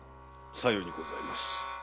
さようにございます。